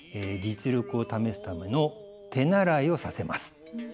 実力を試すための手習いをさせます。